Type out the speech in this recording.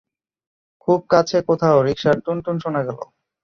খুব কাছে কোথাও রিকশার টুনটুন শোনা গেল।